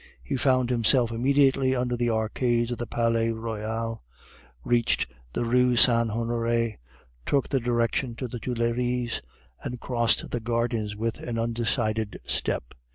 He found himself immediately under the arcades of the Palais Royal, reached the Rue Saint Honore, took the direction of the Tuileries, and crossed the gardens with an undecided step.